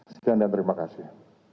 sekian dan terima kasih